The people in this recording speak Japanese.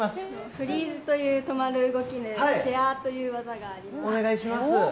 フリーズという止まる動きで、チェアーという技があります。